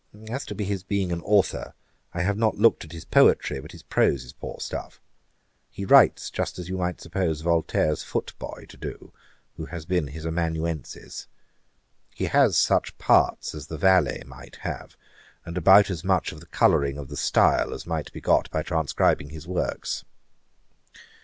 As to his being an authour, I have not looked at his poetry; but his prose is poor stuff. He writes just as you might suppose Voltaire's footboy to do, who has been his amanuensis. He has such parts as the valet might have, and about as much of the colouring of the style as might be got by transcribing his works.'